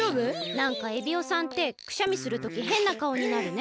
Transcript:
なんかエビオさんってくしゃみするときへんなかおになるね。